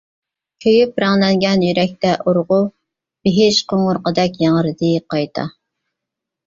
كۆيۈپ رەڭلەنگەن يۈرەكتە ئۇرغۇ، بېھىش قوڭغۇرىقىدەك ياڭرىدى قايتا.